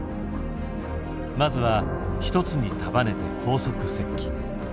まずは一つに束ねて高速接近。